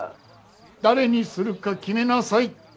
誰にするか決めなさい。